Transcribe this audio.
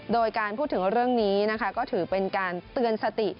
โดยการพูดถึงเรื่องนี้นะคะก็ถือเป็นการเตือนสติ